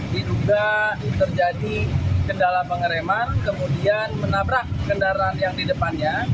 diduga terjadi kendala pengereman kemudian menabrak kendaraan yang di depannya